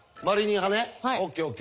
ＯＫＯＫ。